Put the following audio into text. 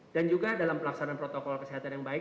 dan juga dalam pelaksanaan protokol kesehatan yang baik